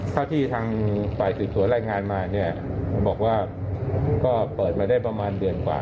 เท่าที่ทางฝ่ายสืบสวนรายงานมาเนี่ยบอกว่าก็เปิดมาได้ประมาณเดือนกว่า